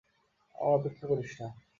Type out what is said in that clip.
আমার অপেক্ষা করিস না।